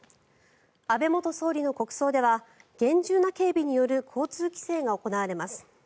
安倍元総理の国葬では厳重な警備による交通規制が行われます。